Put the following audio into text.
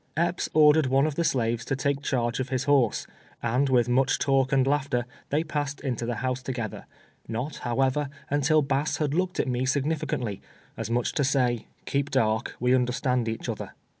Epps ordered one of the slaves to take charge of his horse, and with much talk and laughter they pass ed into the house together ; not, however, until Bass had looked at me significantly, as much as to say, 280 TWELVE YE.VKS A SLAVE. " Keep dark, \ve understand each otlicr."